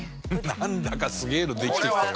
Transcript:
なんだかすげえのできてきたよ。